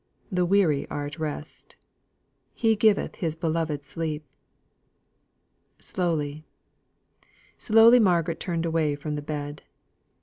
"The weary are at rest." "He giveth his beloved sleep." Slowly, slowly Margaret turned away from the bed.